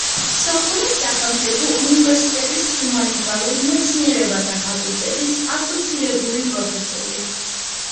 სოხუმის სახელმწიფო უნივერსიტეტის ჰუმანიტარულ მეცნიერებათა ფაკულტეტის ასოცირებული პროფესორი.